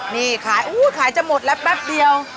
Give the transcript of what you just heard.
เนี้ยอยู่ขายขายจะหมดแป๊บเดียว